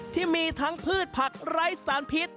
ที่มีทั้งพืชผักไร้สารพิษ